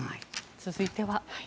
続いては。